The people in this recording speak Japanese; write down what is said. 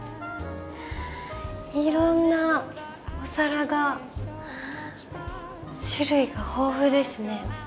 いろんなお皿が種類が豊富ですね。